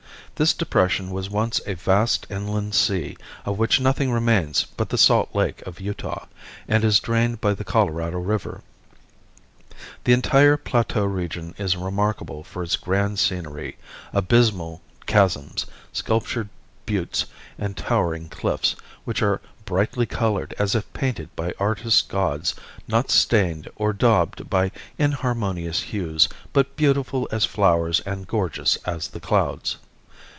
This depression was once a vast inland sea, of which nothing remains but the Salt Lake of Utah, and is drained by the Colorado river. The entire plateau region is remarkable for its grand scenery abysmal chasms, sculptured buttes and towering cliffs, which are "brightly colored as if painted by artist Gods, not stained and daubed by inharmonious hues but beautiful as flowers and gorgeous as the clouds."